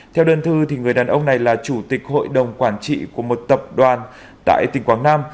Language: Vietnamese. theo đơn thư người đàn ông này là chủ tịch hội đồng quản trị của một tập đoàn tại tỉnh quảng nam